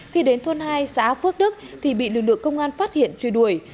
khi đến thôn hai xã phước đức thì bị lực lượng công an phát hiện truy đuổi